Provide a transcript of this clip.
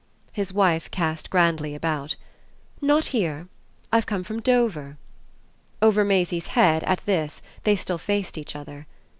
His wife cast grandly about. "Not here I've come from Dover." Over Maisie's head, at this, they still faced each other.